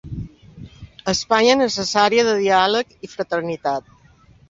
Espanya necessària de diàleg i fraternitat.